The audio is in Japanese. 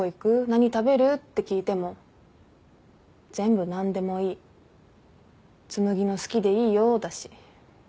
何食べる？って聞いても全部「何でもいい紬の好きでいいよ」だし。